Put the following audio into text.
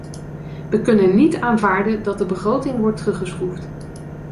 We kunnen niet aanvaarden dat de begroting wordt teruggeschroefd.